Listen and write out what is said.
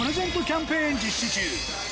キャンペーン実施中。